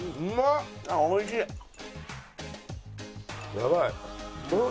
やばい。